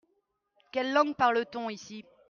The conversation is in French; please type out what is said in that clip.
Quelle langue parle-t-on ici ?